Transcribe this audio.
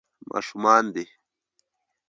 ماشومان دي.